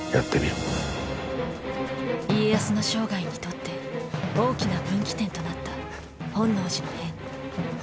家康の生涯にとって大きな分岐点となった本能寺の変。